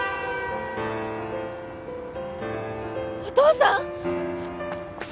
お父さん？